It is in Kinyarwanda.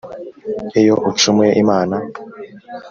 iyo ucumuye imana